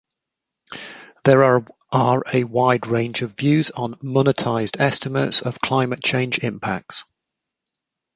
There are a wide range of views on monetized estimates of climate change impacts.